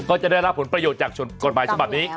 ก็จะได้รับผลประโยชน์จากกฎหมายฉบับนี้